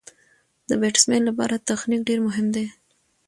د بېټسمېن له پاره تخنیک ډېر مهم دئ.